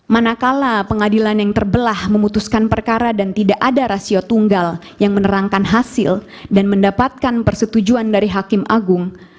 manakala pengadilan yang terbelah memutuskan perkara dan tidak ada rasio tunggal yang menerangkan hasil dan mendapatkan persetujuan dari hakim agung